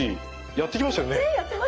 やってましたよ。